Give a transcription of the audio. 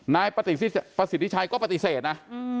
นายประสิทธิชัยก็ปฏิเสธนะ